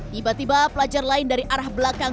tiba tiba pelajar lain dari arah belakang